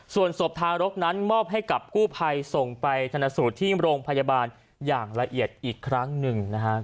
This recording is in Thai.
ส่วนศพทารกนั้นมอบให้กับกู้ภัยส่งไปธนสูตรที่โรงพยาบาลอย่างละเอียดอีกครั้งหนึ่งนะครับ